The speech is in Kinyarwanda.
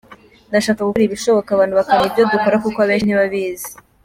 Ndashaka gukora ibishoboka abantu bakamenya ibyo dukora kuko abenshi ntibabizi.